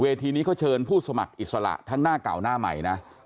ทีนี้เขาเชิญผู้สมัครอิสระทั้งหน้าเก่าหน้าใหม่นะ